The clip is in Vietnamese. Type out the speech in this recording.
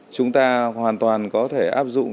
chúng ta hoàn toàn có thể áp dụng